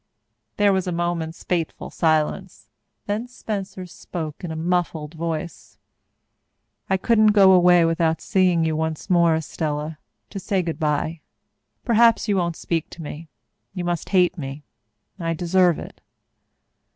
There was a moment's fateful silence. Then Spencer spoke in a muffled voice. "I couldn't go away without seeing you once more, Estella, to say good bye. Perhaps you won't speak to me. You must hate me. I deserve it."